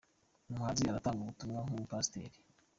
umuhanzi aratanga ubutumwa nk’umupasiteri